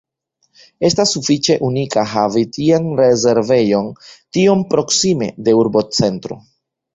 Estas sufiĉe unika havi tian rezervejon tiom proksime de urbocentro.